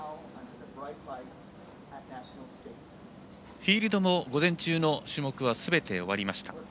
フィールドも午前中の種目はすべて終わりました。